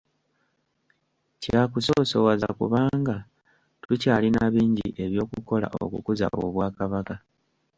Kyakusoosowaza kubanga tukyalina bingi ebyokukola okukuza Obwakabaka.